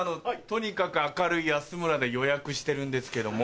「とにかく明るい安村」で予約してるんですけども。